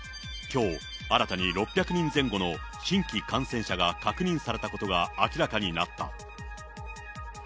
きょう、新たに６００人前後の新規感染者が確認されたことが明らかになった。